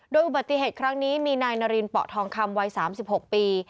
โดยอุบัติเหตุครั้งนี้มีนายนารินเปาะทองคำวัย๓๖ปี